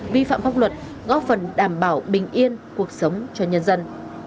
vi phạm pháp luật góp phần đảm bảo bình yên cuộc sống cho nhân dân